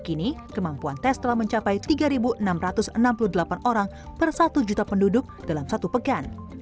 kini kemampuan tes telah mencapai tiga enam ratus enam puluh delapan orang per satu juta penduduk dalam satu pekan